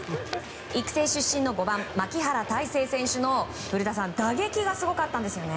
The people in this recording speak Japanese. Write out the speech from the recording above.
育成出身の５番牧原大成選手の打撃がすごかったんですよね